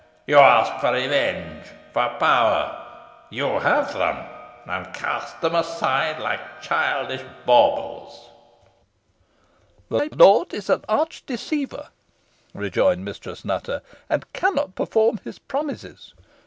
You ask for revenge for power. You have them, and cast them aside like childish baubles!" "Thy lord is an arch deceiver," rejoined Mistress Nutter; "and cannot perform his promises.